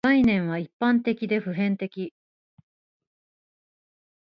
概念は一般的で普遍的